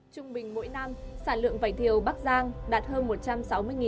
trung bình mỗi năm sản lượng vải thiều bắc giang đạt hơn một trăm sáu mươi tấn